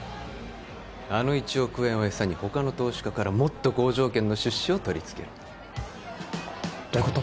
あの１億円を餌に他の投資家からもっと好条件の出資を取りつけるどういうこと？